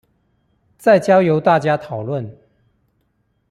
再交由大家討論